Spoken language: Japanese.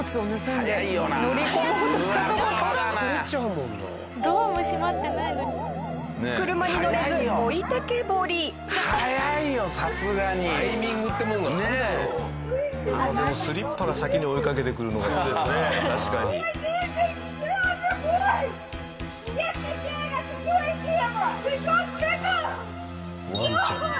でもスリッパが先に追いかけてくるのがアメリカだな。